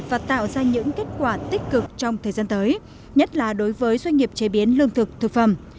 và tạo ra những kết quả tích cực trong thời gian tới nhất là đối với doanh nghiệp chế biến lương thực thực phẩm